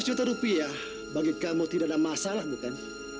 seratus juta rupiah bagi kamu tidak ada masalah bukan